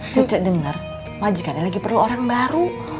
cek denger majikannya lagi perlu orang baru